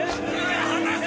離せ！